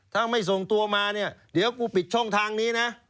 ถ้าไม่ส่งตัวมาเนี่ยเดี๋ยวกูปิดช่องทางนี้นะ